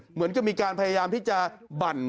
เหมือนกับมีการพยายามที่จะบั่น